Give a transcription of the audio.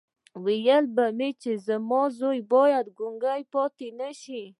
ويل به مې چې زما زوی بايد ګونګی پاتې نه شي.